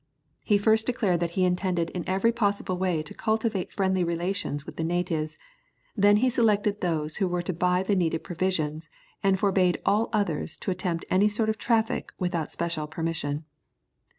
He first declared that he intended in every possible way to cultivate friendly relations with the natives, then he selected those who were to buy the needed provisions, and forbade all others to attempt any sort of traffic without special permission.